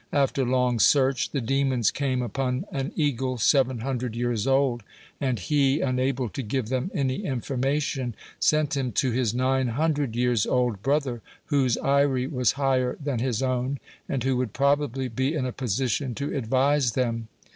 After long search the demons came upon an eagle seven hundred years old, and he, unable to give them any information, sent him to his nine hundred years old brother, whose eyrie was higher than his own, and who would probably be in a position to advise them.